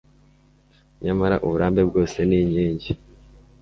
Nyamara uburambe bwose ni inkingi